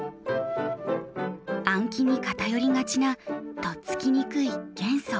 暗記に偏りがちなとっつきにくい元素。